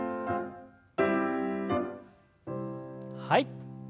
はい。